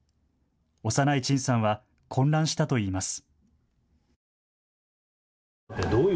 幼い陳さんは混乱したといいます。